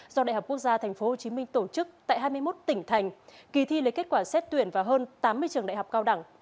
do đại học quốc gia thành phố hồ chí minh tổ chức tại hai mươi một tỉnh thành kỳ thi lấy kết quả xét tuyển vào hơn tám mươi trường đại học cao đẳng